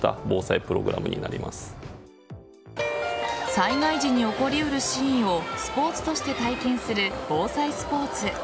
災害時に起こり得るシーンをスポーツとして体験する防災スポーツ。